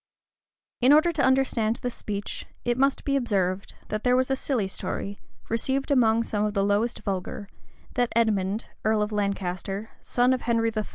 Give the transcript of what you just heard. [] In order to understand this speech, it must be observed, that there was a silly story, received among some of the lowest vulgar, that Edmond, earl of Lancaster, son of Henry III.